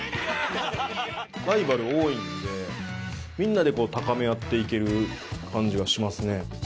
ライバル多いんでみんなで高め合っていける感じがしますね。